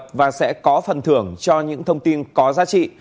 chúng ta sẽ có phần thưởng cho những thông tin có giá trị